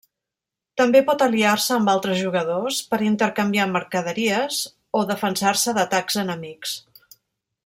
També pot aliar-se amb altres jugadors per intercanviar mercaderies o defensar-se d'atacs enemics.